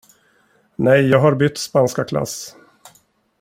Nej, jag har bytt spanskaklass.